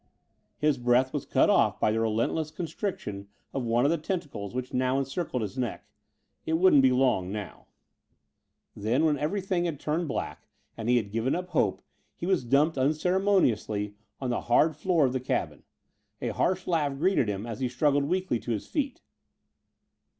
His breath was cut off by the relentless constriction of one of the tentacles which now encircled his neck. It wouldn't be long now. Then, when everything had turned black and he had given up hope, he was dumped unceremoniously on the hard floor of the cabin. A harsh laugh greeted him as he struggled weakly to his knees.